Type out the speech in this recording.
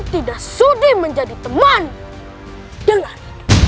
baiklah aku akan menemanimu ke pajacaran